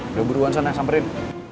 udah buruan sana samperin